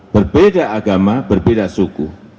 berbeda agama berbeda suku